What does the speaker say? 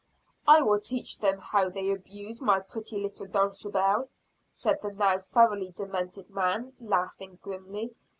"I will teach them how they abuse my pretty little Dulcibel," said the now thoroughly demented man, laughing grimly.